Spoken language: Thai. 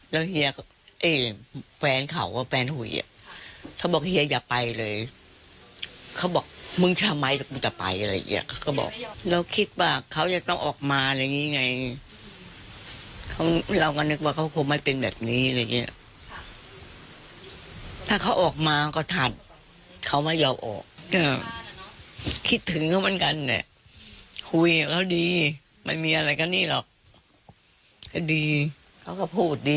แล้วเฮียกับเอ๊ะแฟนเขาก็แฟนหุยอ่ะเขาบอกเฮียอย่าไปเลยเขาบอกมึงทำไมกูจะไปอะไรอย่างเงี้ยเขาก็บอกเราคิดว่าเขาจะต้องออกมาอะไรอย่างงี้ไงเขาเราก็นึกว่าเขาคงไม่เป็นแบบนี้อะไรอย่างเงี้ยถ้าเขาออกมาก็ถัดเขาไม่ยอมออกก็คิดถึงเขาเหมือนกันเนี่ยคุยกับเขาดีไม่มีอะไรกันนี่หรอกก็ดีเขาก็พูดดี